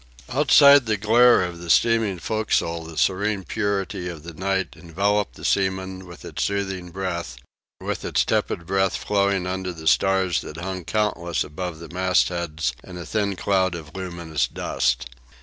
Outside the glare of the steaming forecastle the serene purity of the night enveloped the seamen with its soothing breath, with its tepid breath flowing under the stars that hung countless above the mastheads in a thin cloud of luminous dust.